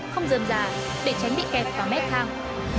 không dơm dà để tránh bị kẹt vào mét thang